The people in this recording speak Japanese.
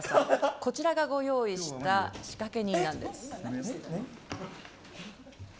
こちらがご用意した仕掛け人なんです。